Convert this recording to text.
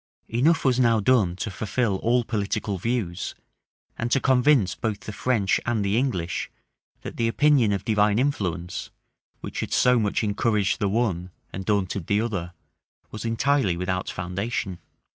Enough was now done to fulfil all political views, and to convince both the French and the English, that the opinion of divine influence, which had so much encouraged the one and daunted the other, was entirely without foundation.